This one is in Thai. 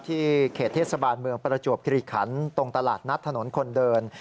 เขตเทศบาลเมืองประจวบคิริขันตรงตลาดนัดถนนคนเดิน